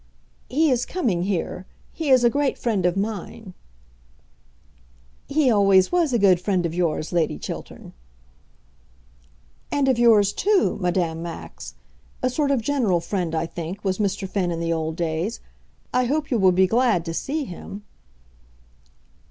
"He is coming here. He is a great friend of mine." "He always was a good friend of yours, Lady Chiltern." "And of yours, too, Madame Max. A sort of general friend, I think, was Mr. Finn in the old days. I hope you will be glad to see him."